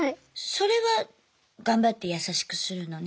それは頑張って優しくするのね。